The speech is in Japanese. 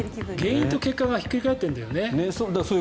原因と結果がひっくり返ってるんだよね。